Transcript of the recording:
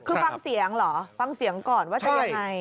คือฟังเสียงเหรอฟังเสียงก่อนว่าจะยังไง